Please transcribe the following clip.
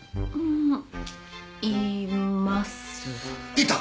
いた！？